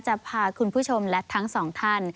จะพาคุณผู้ชมและทั้งสองท่าน